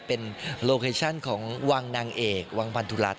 เป็นโลเคชั่นของวังนางเอกวังพันธุรัฐ